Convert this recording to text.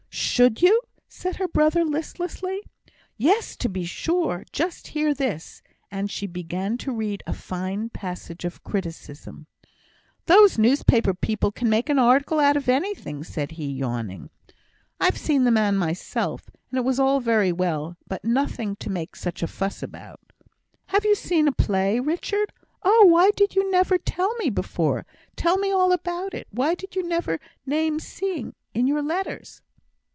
"Should you?" said her brother, listlessly. "Yes, to be sure! Just hear this!" and she began to read a fine passage of criticism. "Those newspaper people can make an article out of anything," said he, yawning. "I've seen the man myself, and it was all very well, but nothing to make such a fuss about." "You! you seen ! Have you seen a play, Richard? Oh, why did you never tell me before? Tell me all about it! Why did you never name seeing in your letters?"